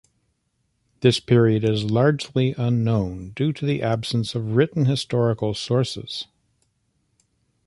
This period is largely unknown due to the absence of written historical sources.